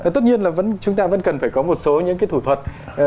tất nhiên là chúng ta vẫn cần phải có một số những cái thủ thuật